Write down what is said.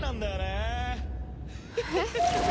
えっ？